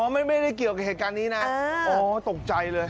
ไม่ได้เกี่ยวกับเหตุการณ์นี้นะอ๋อตกใจเลย